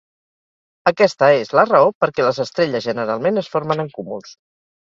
Aquesta és la raó per què les estrelles generalment es formen en cúmuls.